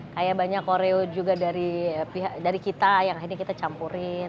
kayak banyak koreo juga dari kita yang akhirnya kita campurin